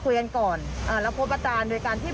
คุณพ่อคุณว่าไง